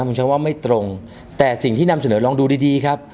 ผมใช้ว่าไม่ตรงแต่สิ่งที่นำเสนอลองดูดีดีครับ